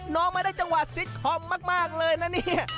ไม่ได้จังหวะซิตคอมมากเลยนะเนี่ย